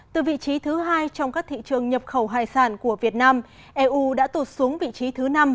từ vị trí thứ hai trong các thị trường nhập khẩu hải sản của việt nam eu đã tụt xuống vị trí thứ năm